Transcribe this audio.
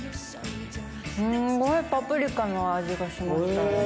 すんごいパプリカの味がします。